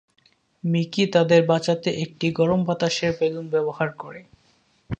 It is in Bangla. মিকি তাদের বাঁচাতে একটি গরম বাতাসের বেলুন ব্যবহার করে।